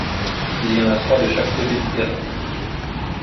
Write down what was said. Il y en a trois de chaque côté du terrain.